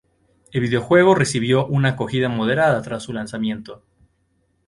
El videojuego recibió una acogida moderada tras su lanzamiento.